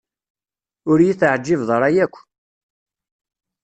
Ur iyi-teɛǧibeḍ ara akk.